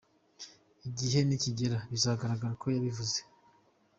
Igihe nikigera bizagaragara ko yabivuze